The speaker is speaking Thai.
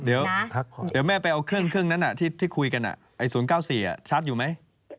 เดี๋ยวแม่ไปเอาเครื่องนั้นที่คุยกันไอ้๐๙๔ชัดอยู่ไหม